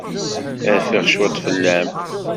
Rfiɣ cwiṭ fell-am.